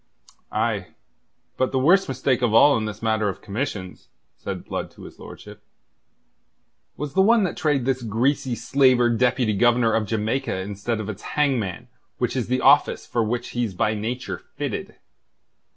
"Aye but the worst mistake of all in this matter of commissions," said Blood to his lordship, "was the one that trade this greasy slaver Deputy Governor of Jamaica instead of its hangman, which is the office for which he's by nature fitted."